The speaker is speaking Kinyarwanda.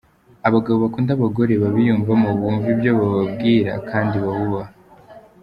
Abagabo bakunada abagore babiyumvamo, bumva ibyo bababwira kandi babubaha.